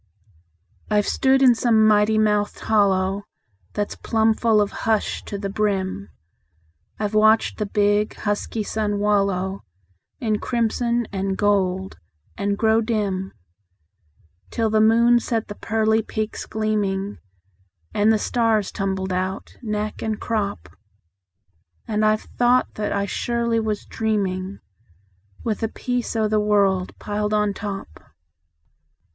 I've stood in some mighty mouthed hollow That's plumb full of hush to the brim; I've watched the big, husky sun wallow In crimson and gold, and grow dim, Till the moon set the pearly peaks gleaming, And the stars tumbled out, neck and crop; And I've thought that I surely was dreaming, With the peace o' the world piled on top.